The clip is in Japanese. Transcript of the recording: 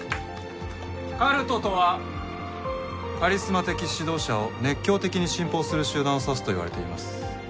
カルトとはカリスマ的指導者を熱狂的に信奉する集団を指すといわれています。